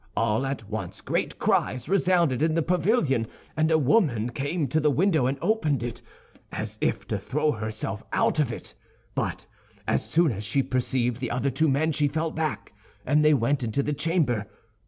All at once great cries resounded in the pavilion, and a woman came to the window, and opened it, as if to throw herself out of it; but as soon as she perceived the other two men, she fell back and they went into the chamber.